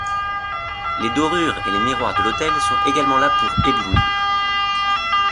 Les dorures et les miroirs de l’autel sont également là pour éblouir.